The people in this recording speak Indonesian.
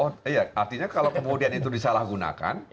oh iya artinya kalau kemudian itu disalahgunakan